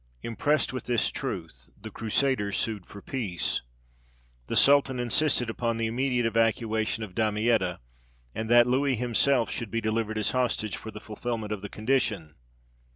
Impressed with this truth, the Crusaders sued for peace. The sultan insisted upon the immediate evacuation of Damietta, and that Louis himself should be delivered as hostage for the fulfilment of the condition.